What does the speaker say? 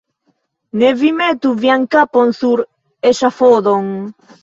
Ne vi metu vian kapon sur eŝafodon.